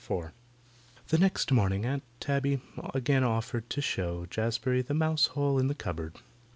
IV The next morning Aunt Tabby again offered to show Jazbury the mouse hole in the cupboard.